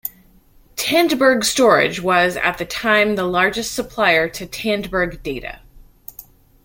Tandberg Storage was at the time the largest supplier to Tandberg Data.